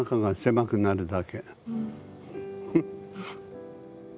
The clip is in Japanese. フッ。